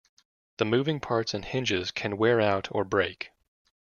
The moving parts and hinges can wear out or break.